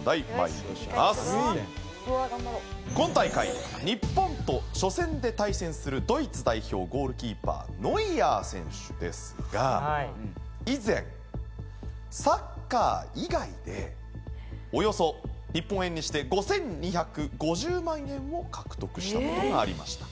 今大会日本と初戦で対戦するドイツ代表ゴールキーパーノイアー選手ですが以前サッカー以外でおよそ日本円にして５２５０万円を獲得した事がありました。